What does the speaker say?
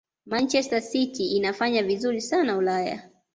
manchester city inafanya vizuri sana ulaya